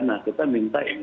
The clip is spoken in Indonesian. nah kita minta ini